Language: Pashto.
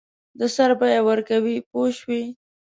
د سر بیه ورکوي پوه شوې!.